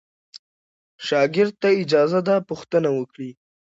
شاګرد ته اجازه ده پوښتنه وکړي.